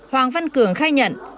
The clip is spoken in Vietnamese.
hoàng văn cường khai nhận